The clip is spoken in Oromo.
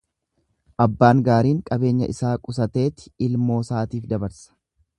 Abbaan gaariin qabeenya isaa qusateeti ilmoosaatiif dabarsa.